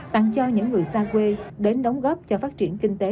tặng cho những người xa quê đến đóng góp cho phát triển kinh tế